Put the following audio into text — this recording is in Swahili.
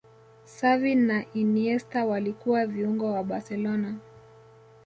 Xavi na Iniesta walikuwa viungo wa barcelona